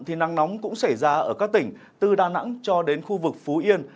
thì nắng nóng cũng xảy ra ở các tỉnh từ đà nẵng cho đến khu vực phú yên